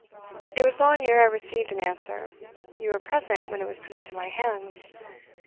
It was long ere I received an answer; you were present when it was put into my hands.